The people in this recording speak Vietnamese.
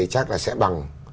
chắc là sẽ bằng